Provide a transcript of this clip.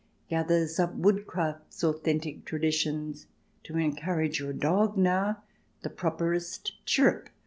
gathers up Woodcraft's authentic traditions. To encourage your dog, now, the properest chirrup.